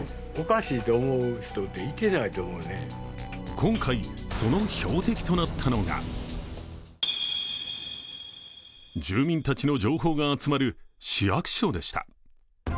今回、その標的となったのが住民たちの情報が集まる市役所でした。